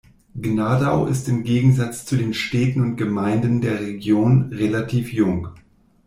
Gnadau ist im Gegensatz zu den Städten und Gemeinden der Region relativ jung.